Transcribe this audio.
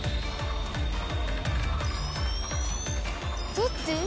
どっち？